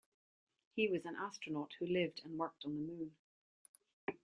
He was an astronaut who lived and worked on the Moon.